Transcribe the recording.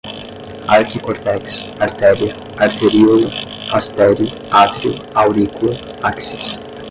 arquicórtex, artéria, arteríola, astério, átrio, aurícula, áxis